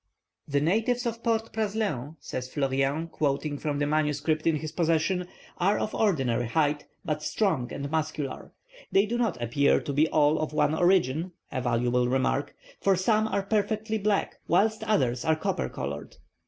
"The natives of Port Praslin," says Fleurien, quoting from the manuscripts in his possession, "are of ordinary height, but strong and muscular. They do not appear to be all of one origin (a valuable remark), for some are perfectly black, whilst others are copper coloured.